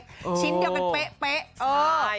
ชิ้นเดียวกันเป๊ะ